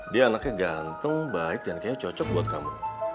dia anaknya ganteng baik dan kayaknya cocok buat kamu